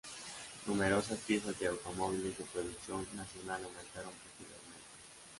Numerosas piezas de automóviles de producción nacional aumentaron posteriormente.